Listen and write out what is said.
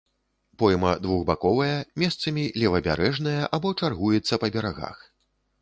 Пойма двухбаковая, месцамі левабярэжная або чаргуецца па берагах.